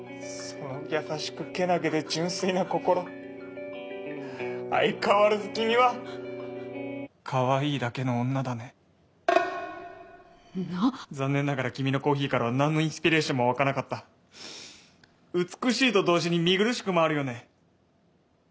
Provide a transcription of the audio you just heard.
その優しくけなげで純粋な心相変わらず君はかわいいだけの女だねなっ残念ながら君のコーヒーからは何のインスピレーションも湧かなかった美しいと同時に見苦しくもあるよね